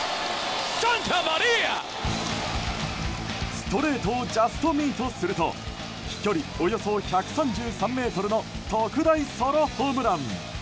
ストレートをジャストミートすると飛距離およそ１３３ｍの特大ソロホームラン。